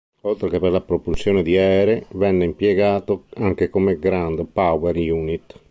Oltre che per la propulsione di aerei, venne impiegato anche come ground power unit.